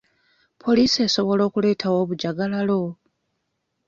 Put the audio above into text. Poliisi esobola okuleetawo obujjagalalo?